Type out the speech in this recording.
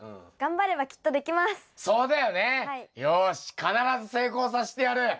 よし必ず成功させてやる。